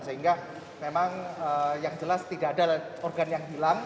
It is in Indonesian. sehingga memang yang jelas tidak ada organ yang hilang